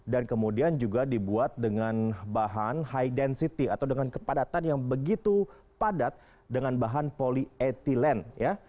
dan kemudian juga dibuat dengan bahan high density atau dengan kepadatan yang begitu padat dengan bahan polyethylene